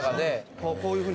こうこういうふうに。